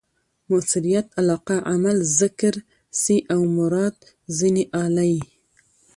مؤثریت علاقه؛ عمل ذکر سي او مراد ځني آله يي.